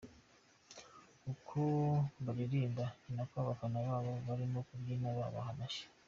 Uko baririmba niko abafana babo barimo kubyina babaha n'amashyi.